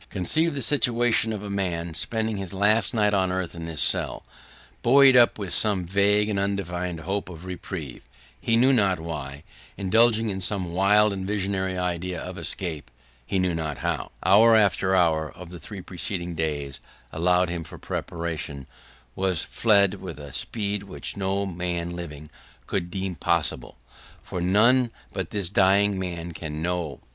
Conceive the situation of a man, spending his last night on earth in this cell. Buoyed up with some vague and undefined hope of reprieve, he knew not why indulging in some wild and visionary idea of escaping, he knew not how hour after hour of the three preceding days allowed him for preparation, has fled with a speed which no man living would deem possible, for none but this dying man can know.